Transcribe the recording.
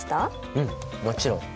うんもちろん！